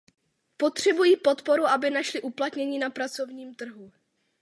Potřebují podporu, aby našli uplatnění na pracovním trhu.